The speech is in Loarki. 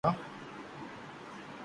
منو بي مارئي امي ھون ڪاوو ڪارو